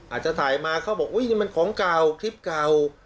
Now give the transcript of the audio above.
อาจจะถ่ายมาเขาบอกอุ้ยนี่มันของเก่าคลิปเก่า